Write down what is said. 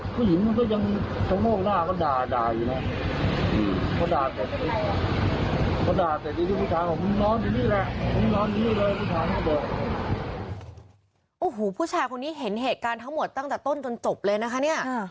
โอ้โหผู้ชายคนนี้เห็นเหตุการณ์ทั้งหมดตั้งแต่ต้นจนจบเลยนะคะเนี่ย